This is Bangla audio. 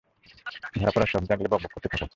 ধরা পড়ার শখ জাগলে, বকবক করতে থাকো।